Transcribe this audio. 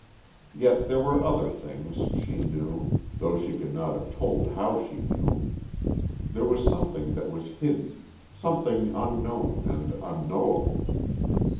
Yet there were other things, she knew, though she could not have told how she knew. There was something that was hidden something unknown and unknowable....